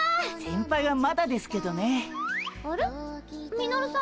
ミノルさん